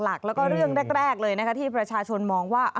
หลักแล้วก็เรื่องแรกเลยนะคะที่ประชาชนมองว่า